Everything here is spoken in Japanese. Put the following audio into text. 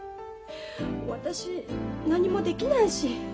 私何もできないし。